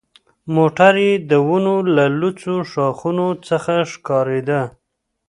موټر یې د ونو له لوڅو ښاخونو څخه ښکارېده.